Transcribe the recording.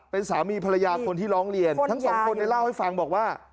เป็นสามีภรรยาคนที่ร้องเรียนทั้งสองคนเนี่ยเล่าให้ฟังบอกว่า